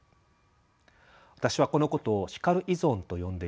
私はこのことを「叱る依存」と呼んでいます。